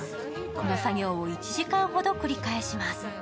この作業を１時間ほど繰り返します。